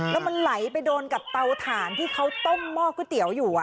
แล้วมันไหลไปโดนกับเตาถ่านที่เขาต้มหม้อก๋วยเตี๋ยวอยู่